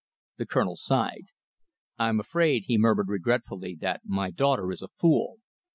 The Colonel sighed. "I'm afraid," he murmured, regretfully, "that my daughter is a fool."